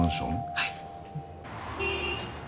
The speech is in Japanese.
はい。